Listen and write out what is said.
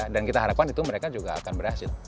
kita harapkan itu mereka juga akan berhasil